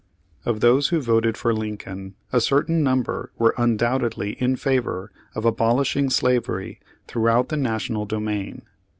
6 Page Forty two Of those who voted for Lincoln a certain num ber were undoubtedly in favor of abolishing slavery throughout the national domain.